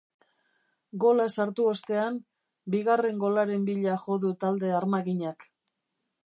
Gola sartu ostean, bigarren golaren bila jo du talde armaginak.